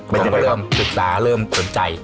ผมก็เริ่มศึกษาเริ่มสนใจ